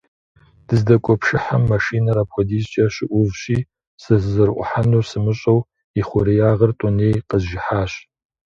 Дыздэкӏуэ пшыхьым машинэр апхуэдизкӏэ щыӏувщи, сызэрыӏухьэнур сымыщӏэу, и хъуреягъыр тӏэуней къэзжыхьащ.